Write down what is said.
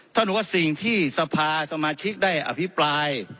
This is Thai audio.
ท่านบอกว่าสิ่งที่สภาสมาชิกได้อภิปราย